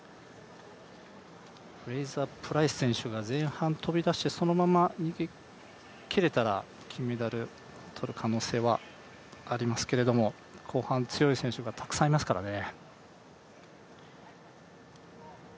フレイザープライス選手が前半飛び出してそのまま逃げ切れたら金メダル取る可能性はありますけれども後半強い選手がたくさんいますからね。